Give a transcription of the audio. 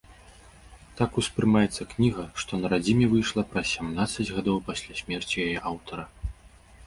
Так успрымаецца кніга, што на радзіме выйшла праз сямнаццаць гадоў пасля смерці яе аўтара.